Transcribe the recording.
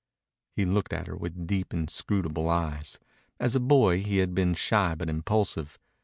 He looked at her with deep, inscrutable eyes. As a boy he had been shy but impulsive.